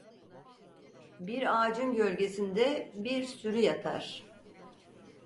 Bir ağacın gölgesinde bir sürü yatar.